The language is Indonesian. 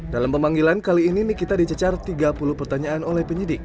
dalam pemanggilan kali ini nikita dicecar tiga puluh pertanyaan oleh penyidik